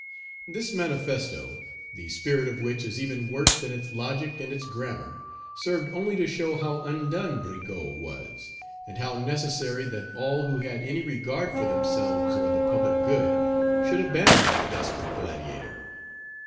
This manifesto, the spirit of which is even worse than its logic and its grammar, served only to show how undone Rigaud was, and how necessary that all who had any regard for themselves or the public good should abandon the desperate gladiator.